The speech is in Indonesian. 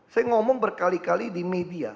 saya ngomong berkali kali di media